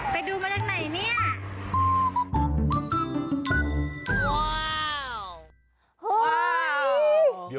ไปดูมาจากไหนเนี่ย